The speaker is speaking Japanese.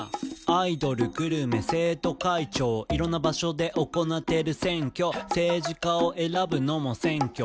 「アイドルグルメ生徒会長」「色んな場所で行ってる選挙」「政治家を選ぶのも選挙」